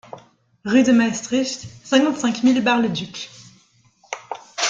Rue de Maestricht, cinquante-cinq mille Bar-le-Duc